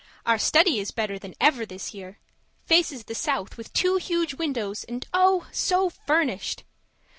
Our study is better than ever this year faces the South with two huge windows and oh! so furnished.